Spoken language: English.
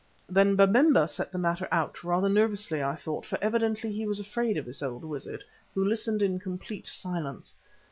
Then Babemba set the matter out, rather nervously I thought, for evidently he was afraid of this old wizard, who listened in complete silence.